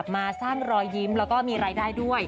แบบนี้ด้วย